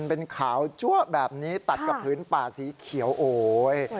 เป็นขาวจั๊วแบบนี้ตัดกับผืนป่าสีเขียวโอ๊ย